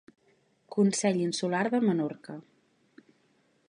Consell Insular de Menorca.